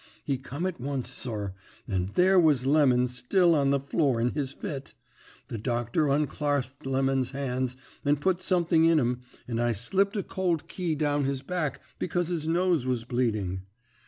He come at once, sir, and there was Lemon still on the floor in his fit. The doctor unclarsped Lemon's hands and put something in 'em, and I slipped a cold key down his back because his nose was bleeding.